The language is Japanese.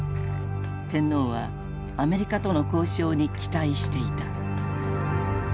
天皇はアメリカとの交渉に期待していた。